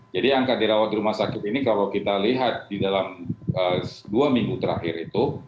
jadi angka dirawat di rumah sakit ini kalau kita lihat di dalam dua minggu terakhir itu